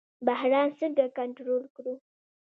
بحران څنګه کنټرول کړو؟